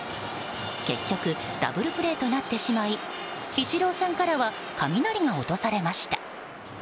結局ダブルプレーとなってしまいイチローさんからは雷が落とされました。